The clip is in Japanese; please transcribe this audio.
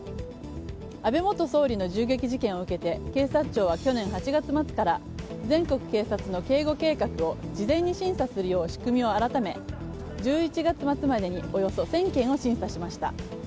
安倍元総理の銃撃事件を受けて警察庁は去年８月末から全国警察の警護計画を事前に審査するよう仕組みを改め１１月末までにおよそ１０００件を審査しました。